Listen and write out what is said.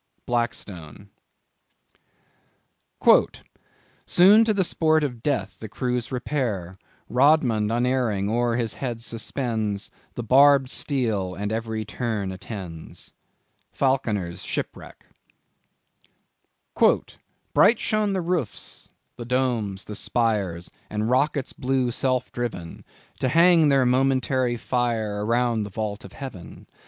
—Blackstone. "Soon to the sport of death the crews repair: Rodmond unerring o'er his head suspends The barbed steel, and every turn attends." —Falconer's Shipwreck. "Bright shone the roofs, the domes, the spires, And rockets blew self driven, To hang their momentary fire Around the vault of heaven.